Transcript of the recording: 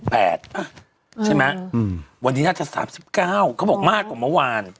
ใช่ไหมวันนี้น่าจะ๓๙เขาบอกมากกว่าเมื่อวาน